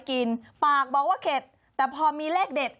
นี่พี่เขาก็ทำเซ็งมากเลย